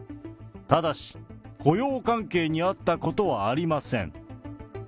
ただし、雇用関係にあったことはありません。